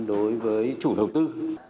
đối với chủ đầu tư